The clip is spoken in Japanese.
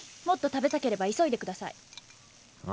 もっと食べたければ急いでください。